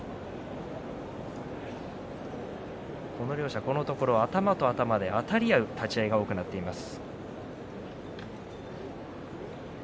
両者は頭と頭であたり合う立ち合いが多くなっています。